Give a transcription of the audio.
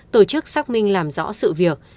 tổ chức xác minh làm rõ sự việc